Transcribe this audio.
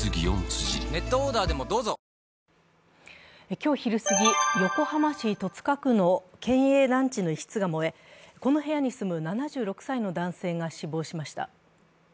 今日昼過ぎ、横浜市戸塚区の県営団地の一室が燃え、この部屋に住む７６歳の男性が死亡しました。